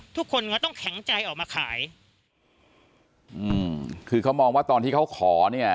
ทุกคนก็ต้องแข็งใจออกมาขายอืมคือเขามองว่าตอนที่เขาขอเนี่ย